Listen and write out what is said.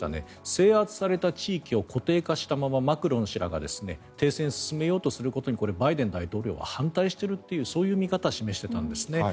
制圧された地域を固定化したままマクロン氏らが停戦を進めようとすることにこれ、バイデン大統領は反対しているというそういう見方を示していたんです。